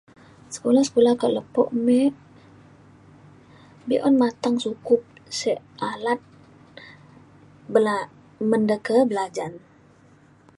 sekulah sekulah kak lepo me be’un mateng sukup sek alat bela- mende ke belajan